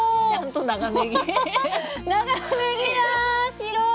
白い！